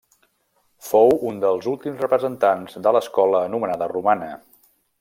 Fou un dels últims representants de l'escola anomenada romana.